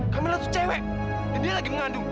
kamila tuh cewek dan dia lagi mengandung